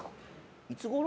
いつごろ？